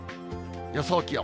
予想気温。